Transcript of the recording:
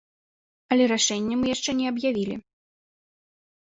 Але рашэнне мы яшчэ не аб'явілі.